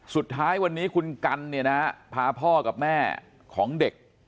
สุดท้ายวันนี้คุณกัลพาพ่อกับแม่ของเด็ก